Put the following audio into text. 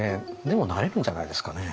でもなれるんじゃないですかね。